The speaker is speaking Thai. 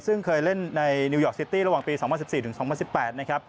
ซึ่งเคยเล่นในนิวยอร์กซิตี้ระหว่างปี๒๐๑๔ถึง๒๐๑๘นะครับ